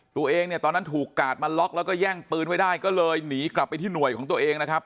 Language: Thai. ตัวเองเนี่ยตอนนั้นถูกกาดมาล็อกแล้วก็แย่งปืนไว้ได้ก็เลยหนีกลับไปที่หน่วยของตัวเองนะครับ